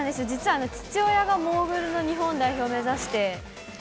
実は父親がモーグルの日本代表を目指して。